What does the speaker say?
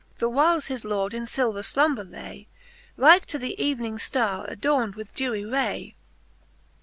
The whyles his Lord in filver jQomber lay. Like to the Evening ftarre adorn'd with deawy ray.